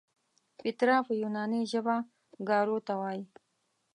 پیترا په یوناني ژبه ګارو ته وایي.